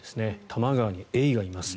多摩川にエイがいます。